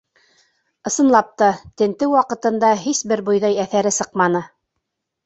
Ысынлап та, тентеү ваҡытында һис бер бойҙай әҫәре сыҡманы.